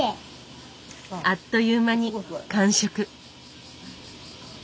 あっという間に完食。